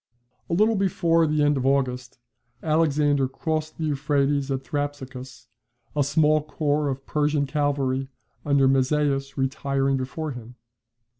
A little before the end of August, Alexander crossed the Euphrates at Thapsacus, a small corps of Persian cavalry under Mazaeus retiring before him.